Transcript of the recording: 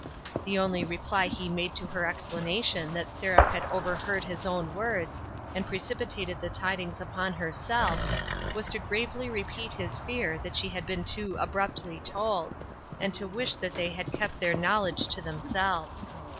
The only reply he made to her explana tion that Seraph had overheard his own words, and precipitated the tidings upon herself, was to gravely repeat his fear that she had been too abruptly told, and to wish that they had kept their knowledge to themselves.